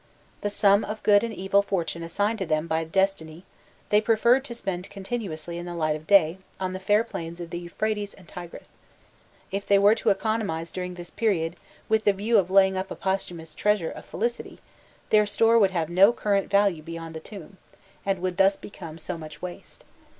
The sum of good and evil fortune assigned to them by destiny they preferred to spend continuously in the light of day on the fair plains of the Euphrates and Tigris: if they were to economize during this period with the view of laying up a posthumous treasure of felicity, their store would have no current value beyond the tomb, and would thus become so much waste.